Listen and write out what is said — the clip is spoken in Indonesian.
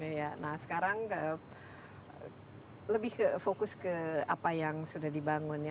iya nah sekarang lebih fokus ke apa yang sudah dibangun ya